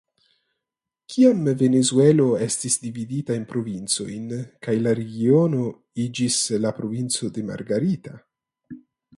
Kiam Venezuelo estis dividita en provincojn kaj la regiono iĝis la provinco de Margarita.